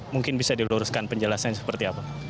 mungkin bisa diluruskan penjelasannya seperti apa